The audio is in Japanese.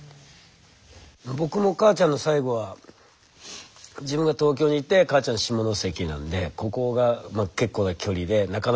僕も母ちゃんの最期は自分が東京にいて母ちゃん下関なんでここが結構な距離でなかなか会いに行けない。